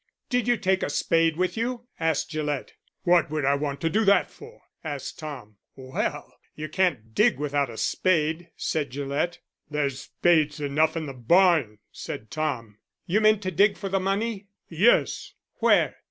"Did you take a spade with you?" asked Gillett. "What would I want to do that for?" asked Tom. "Well, you can't dig without a spade," said Gillett. "There's spades enough in the barn," said Tom. "You meant to dig for the money?" "Yes." "Where?"